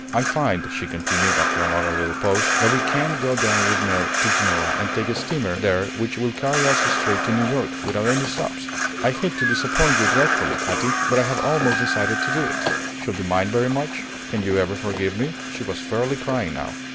"I find," she continued after another little pause, "that we can go down with Ned to Genoa and take a steamer there which will carry us straight to New York without any stops. I hate to disappoint you dreadfully, Katy, but I have almost decided to do it. Shall you mind very much? Can you ever forgive me?" She was fairly crying now.